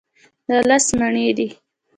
دا لس مڼې دي.